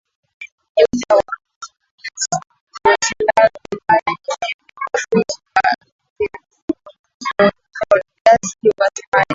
jumla Waslavi mara nyingi ni Wakristo wa Kiorthodoksi wasemaji